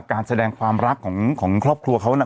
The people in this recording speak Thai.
การแสดงความรักของครอบครัวเขาน่ะ